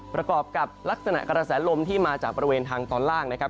ประกอบกับลักษณะกระแสลมที่มาจากบริเวณทางตอนล่างนะครับ